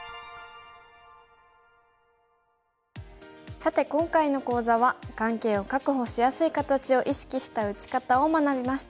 さて今回の講座は眼形を確保しやすい形を意識した打ち方を学びました。